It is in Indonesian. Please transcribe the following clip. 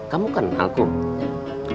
kamu kenal kum